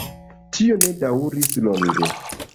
Tio ne daŭris longe.